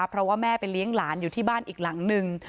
เพราะว่าแม่ไปเลี้ยงหลานอยู่ที่บ้านอีกหลังหนึ่ง